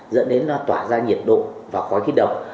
dẫn đến nó tỏa ra nhiệt độ và khói khí động